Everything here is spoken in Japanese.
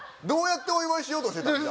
どうやってお祝いしようとしてたん？